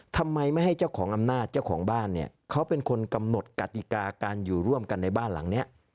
ทำไมไม่ให้เจ้าของอำนาจเจ้าของบ้านเนี่ยเขาเป็นคนกำหนดกติกาการอยู่ร่วมกันในบ้านหลังนี้